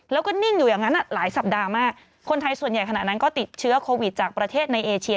แล้วก็นิ่งอยู่อย่างนั้นหลายสัปดาห์มากคนไทยส่วนใหญ่ขณะนั้นก็ติดเชื้อโควิดจากประเทศในเอเชีย